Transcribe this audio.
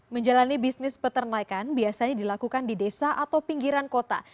menjalani bisnis peternakan biasanya dilakukan di desa atau pinggiran kota